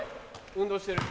運動してる。